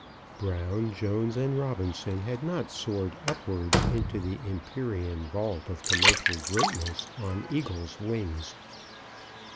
Brown, Jones, and Robinson had not soared upwards into the empyrean vault of commercial greatness on eagle's wings.